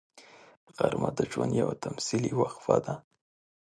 غرمه د ژوند یوه تمثیلي وقفه ده